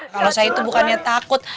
kalau saya itu bukannya takut